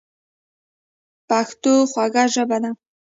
پښتو خوږه ژبه ده